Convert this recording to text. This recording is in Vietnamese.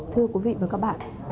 thưa quý vị và các bạn